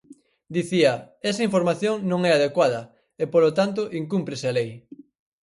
Dicía: esa información non é a adecuada e, polo tanto, incúmprese a lei.